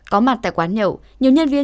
có mặt tại quán nhậu